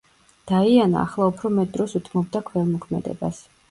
დაიანა ახლა უფრო მეტ დროს უთმობდა ქველმოქმედებას.